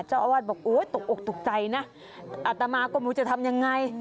เจ้าอาวาสบอกโอ้ยตกอกตกใจนะอัตมาก็ไม่รู้จะทำยังไง